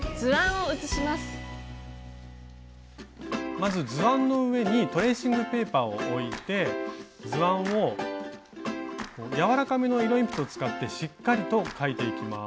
まず図案の上にトレーシングペーパーを置いて図案を軟らかめの色鉛筆を使ってしっかりと描いていきます。